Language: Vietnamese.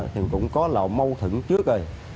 thì cũng có là mâu thuẫn trước rồi